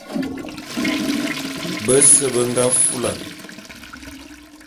Bese be nga fulan.